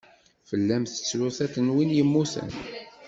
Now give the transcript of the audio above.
Fell-am tettru tiṭ n win yemmuten.